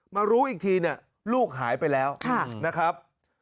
มารู้อีกทีเนี่ยลูกหายไปแล้วนะครับ